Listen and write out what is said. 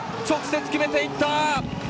直接決めていった！